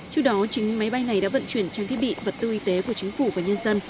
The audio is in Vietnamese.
trước đó chính máy bay này đã vận chuyển trang thiết bị vật tư y tế của chính phủ và nhân dân